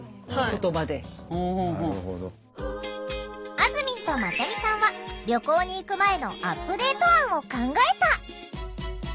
あずみんとまちゃみさんは「旅行に行く前」のアップデート案を考えた！